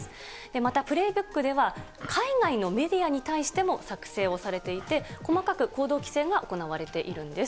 またプレイブックでは、海外のメディアに対しても作成をされていて、細かく行動規制が行われているんです。